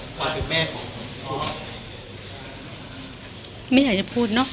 ถามแล้วรู้สึกยังไงครับความเป็นแม่ของคุณ